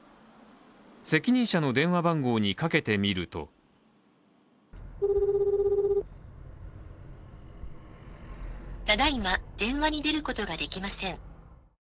責任者の電話番号にかけてみるとただいま電話に出ることができません。